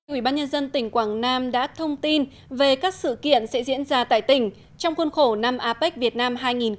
ubnd tỉnh quảng nam đã thông tin về các sự kiện sẽ diễn ra tại tỉnh trong khuôn khổ năm apec việt nam hai nghìn một mươi bảy